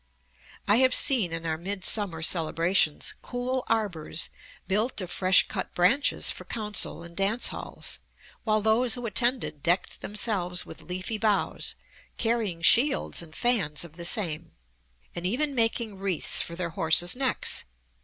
I have seen in our midsummer celebrations cool arbors built of fresh cut branches for council and dance halls, while those who attended decked themselves with leafy boughs, carrying shields and fans of the same, and even making wreaths for their horses' necks.